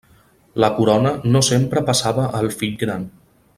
La corona no sempre passava al fill gran.